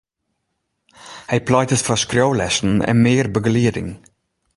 Hy pleitet foar skriuwlessen en mear begelieding.